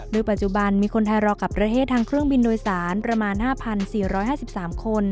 โดยปัจจุบันมีคนไทยรอกับประเทศทางเครื่องบินโดยสารประมาณห้าพันสี่ร้อยห้าสิบสามคน